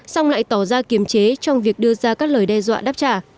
xong lại tỏ ra kiềm chế trong việc đưa ra các lời đe dọa đáp trả